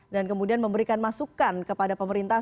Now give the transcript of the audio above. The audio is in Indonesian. dan kemudian memberikan masukan kepada pemerintah